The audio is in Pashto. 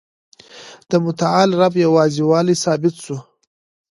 د متعال رب یوازي والی ثابت سو.